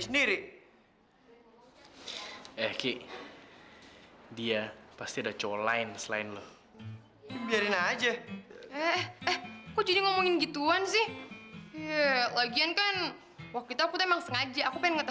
sampai jumpa di video selanjutnya